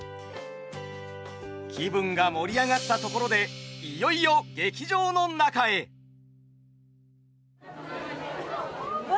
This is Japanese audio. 気分が盛り上がったところでいよいようわ。